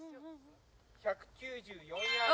１９４ヤード。